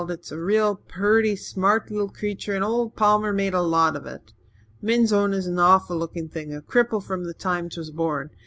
It's a real purty, smart leetle creetur and old Palmer made a lot of it. Min's own is an awful looking thing a cripple from the time 'twas born.